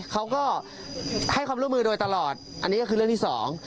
เขาก็ให้ความร่วมมือโดยตลอดอันนี้ก็คือเรื่องที่สอง